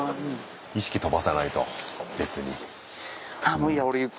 意識飛ばさないと別に。